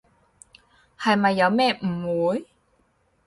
係咪有咩誤會？